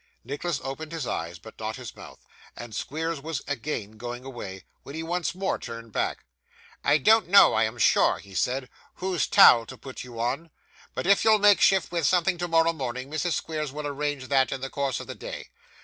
Nicholas opened his eyes, but not his mouth; and Squeers was again going away, when he once more turned back. 'I don't know, I am sure,' he said, 'whose towel to put you on; but if you'll make shift with something tomorrow morning, Mrs. Squeers will arrange that, in the course of the day.